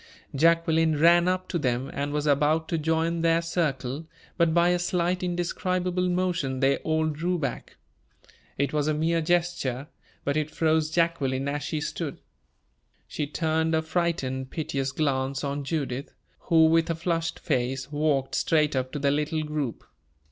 Jacqueline ran up to them, and was about to join their circle; but by a slight, indescribable motion, they all drew back. It was a mere gesture, but it froze Jacqueline as she stood. She turned a frightened, piteous glance on Judith, who, with a flushed face, walked straight up to the little group.